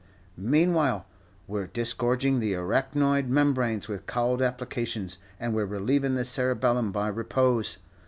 Meanwhile, we're disgorging the arachnoid membranes with cowld applications, and we're relievin' the cerebellum by repose.